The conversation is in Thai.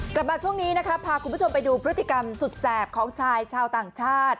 กลับมาช่วงนี้นะคะพาคุณผู้ชมไปดูพฤติกรรมสุดแสบของชายชาวต่างชาติ